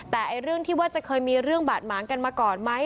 แต่เรื่องที่ว่าจะเคยมีเรื่องบาดหมางกันมาก่อนไหม